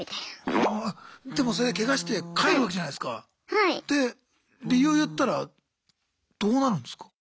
はぁでもそれでケガして帰るわけじゃないすか。で理由言ったらどうなるんですか？